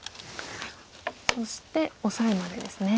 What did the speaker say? そしてオサエまでですね。